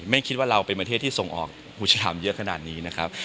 ไม่คิดว่าเราเป็นวัฒษีที่ส่งออกหูสลามเยอะขนาดนี้